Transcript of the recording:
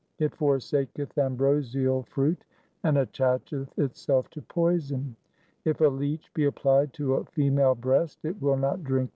It forsaketh ambrosial fruit and attacheth itself to poison. If a leech be applied to a female breast, it will not drink 1 XV.